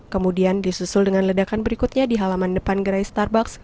kemudian disusul dengan ledakan berikutnya di halaman depan gerai starbucks